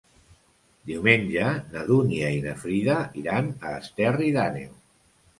Diumenge na Dúnia i na Frida iran a Esterri d'Àneu.